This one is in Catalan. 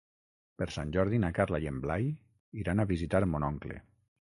Per Sant Jordi na Carla i en Blai iran a visitar mon oncle.